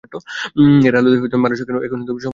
এঁর আলোতেই মানুষ এখন সংসার-সমুদ্রের পারে চলে যাবে।